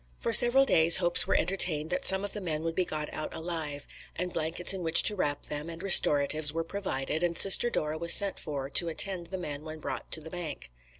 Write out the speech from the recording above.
For several days hopes were entertained that some of the men would be got out alive; and blankets in which to wrap them, and restoratives, were provided, and Sister Dora was sent for to attend the men when brought to "bank."